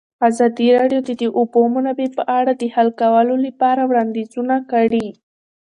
ازادي راډیو د د اوبو منابع په اړه د حل کولو لپاره وړاندیزونه کړي.